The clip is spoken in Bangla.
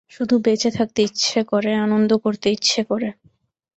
শুধু বেঁচে থাকতে ইচ্ছে করে আনন্দ করতে ইচ্ছা করে!